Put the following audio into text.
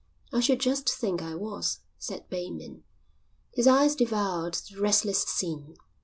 "I should just think I was," said Bateman. His eyes devoured the restless scene.